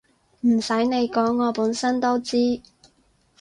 唔洗你講我本身都知